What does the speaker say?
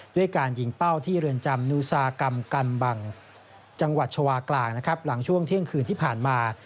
ด้วยการยิงเป้าที่เรือนจำนูซากรรมกันบังจังหวัดชาวากลางนะครับหลังช่วงเที่ยงคืนที่ผ่านมา